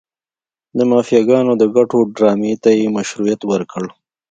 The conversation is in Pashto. د مافیاګانو د ګټو ډرامې ته یې مشروعیت ورکړ.